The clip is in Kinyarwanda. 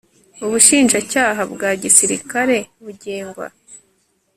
Ubushinjacyaha bwa Gisirikare bugengwa